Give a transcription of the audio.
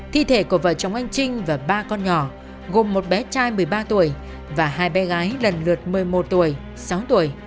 thi thể của vợ chồng anh trinh và ba con nhỏ gồm một bé trai một mươi ba tuổi và hai bé gái lần lượt một mươi một tuổi sáu tuổi